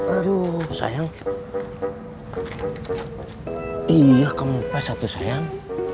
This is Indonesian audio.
aduh sayang iya kempes satu sayang